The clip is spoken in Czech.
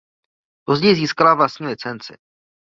Později získala vlastní licenci.